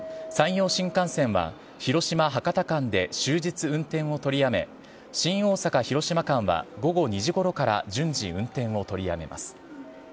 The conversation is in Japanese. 山陽新幹線は広島・博多間で終日運転を取りやめ、新大阪・広島間は午後２時ごろから順次、運転を取りやめます。